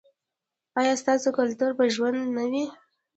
ایا ستاسو کلتور به ژوندی نه وي؟